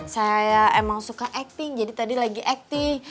saya emang suka acting jadi tadi lagi acting